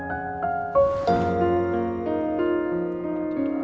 sekarang beralih ada mengauk